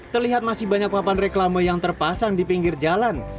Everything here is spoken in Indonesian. terlihat masih banyak papan reklame yang terpasang di pinggir jalan